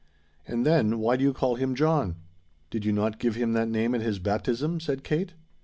"And, then, why do you call him John?" "Did you not give him that name at his baptism?" said Kate.